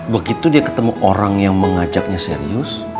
begitu dia ketemu orang yang mengajaknya serius